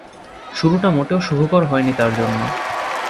শুরুটা মোটেও সুখকর হয়নি তার জন্য।